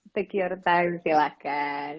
take your time silahkan